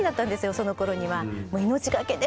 そのころには。